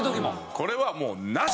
これはもうナシ！